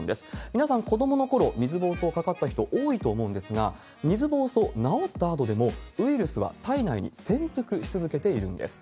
皆さん、子どものころ、水ぼうそうかかった人多いと思うんですが、水ぼうそう、治ったあとでもウイルスは体内に潜伏し続けているんです。